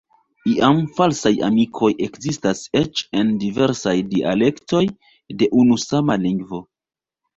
Iam falsaj amikoj ekzistas eĉ en diversaj dialektoj de unu sama lingvo.